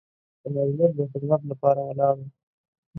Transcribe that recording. د مجلس د خدمت لپاره ولاړ وو.